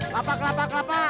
lapa kelapa kelapa